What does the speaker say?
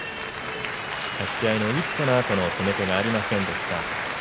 立ち合いの一歩のあとの攻めがありませんでした。